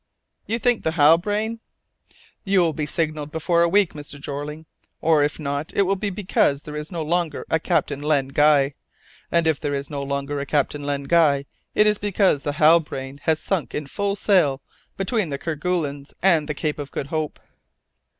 "You think the Halbrane " "Will be signalled before a week, Mr. Jeorling, or, if not, it will be because there is no longer a Captain Len Guy; and if there is no longer a Captain Len Guy, it is because the Halbrane has sunk in full sail between the Kerguelens and the Cape of Good Hope."